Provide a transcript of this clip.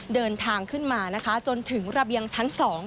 เดินทางขึ้นมานะคะจนถึงระเบียงชั้น๒